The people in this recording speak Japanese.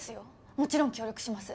もちろん協力します。